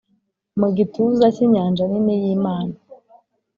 mu gituza cy'inyanja nini y'imana.